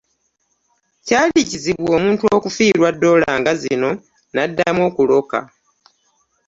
Kyali kizibu omuntu okufiirwa ddoola nga zino n'addamu okuloka.